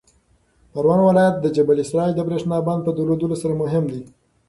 پروان ولایت د جبل السراج د برېښنا بند په درلودلو سره مهم دی.